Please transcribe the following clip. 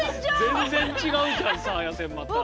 全然違うじゃんサーヤ線また。